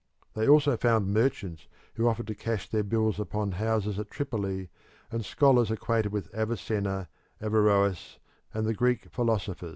They also found merchants who offered to cash their bills upon houses at Tripoli, and scholars acquainted with Avicenna, Averroes, and the Greek philosophers.